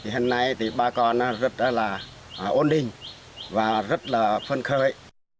hôm nay ba con rất là ổn định và rất là phân khởi